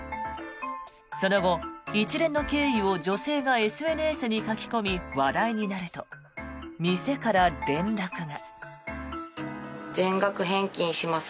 その後、一連の経緯を女性がＳＮＳに書き込み話題になると店から連絡が。